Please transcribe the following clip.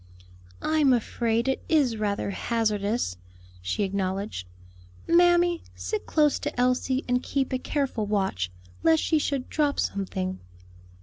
"I'm afraid it is rather hazardous," she acknowledged. "Mammy, sit close to Elsie and keep a careful watch, lest she should drop something."